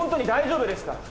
大丈夫か！？